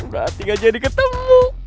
berarti gak jadi ketemu